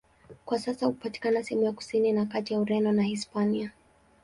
Kwa sasa hupatikana sehemu ya kusini na kati ya Ureno na Hispania.